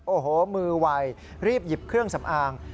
โอ้โหมือไวรีบหยิบเครื่องสำอาง